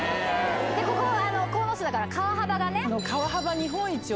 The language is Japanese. ここ鴻巣だから川幅がね。